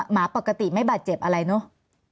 หมาปกติไม่บาดเจ็บอะไรเนอะ